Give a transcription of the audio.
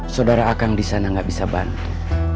saudara akang di sana nggak bisa bantu